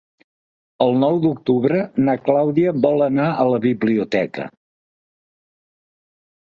El nou d'octubre na Clàudia vol anar a la biblioteca.